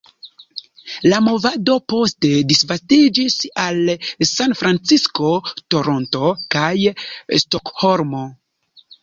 La movado poste disvastiĝis al Sanfrancisko, Toronto, kaj Stokholmo.